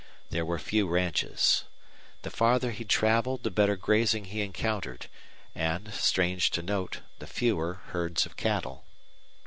There were few ranches. The farther he traveled the better grazing he encountered, and, strange to note, the fewer herds of cattle.